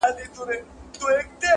پر ورکه لار ملګري سول روان څه به کوو؟،